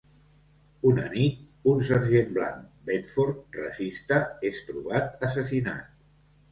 Una nit, un sergent blanc, Bedford, racista, és trobat assassinat.